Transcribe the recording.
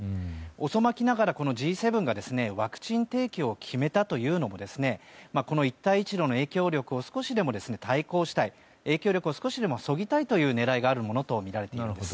遅まきながら、Ｇ７がワクチン提供を決めたというのもこの一帯一路の影響力を少しでも対抗したい影響力を少しでもそぎたいという狙いがあるものとみられています。